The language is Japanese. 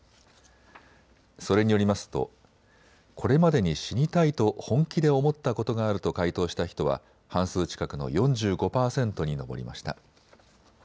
それによりますとこれまでに死にたいと本気で思ったことがあると回答した人は半数近くの４５％に上りました。